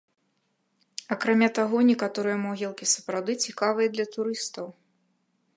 Акрамя таго, некаторыя могілкі сапраўды цікавыя для турыстаў.